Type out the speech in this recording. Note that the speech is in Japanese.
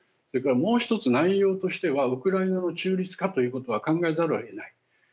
それからもう一つ内容としてはウクライナの中立化ということは考えざるをえない。